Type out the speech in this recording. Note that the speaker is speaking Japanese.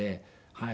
はい。